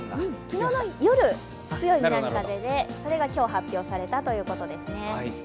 昨日の夜、強い南風で、それが今日、発表されたということです。